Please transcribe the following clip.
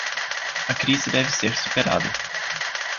A crise deve ser superada